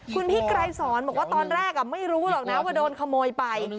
คุณพี่ไกรสอนบอกว่าตอนแรกไม่รู้หรอกนะว่าโดนขโมยไป